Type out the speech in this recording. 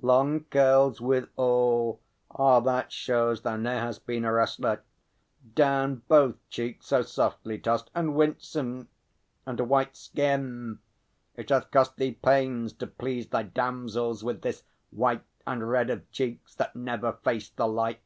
Long curls, withal! That shows thou ne'er hast been A wrestler! down both cheeks so softly tossed And winsome! And a white skin! It hath cost Thee pains, to please thy damsels with this white And red of cheeks that never face the light!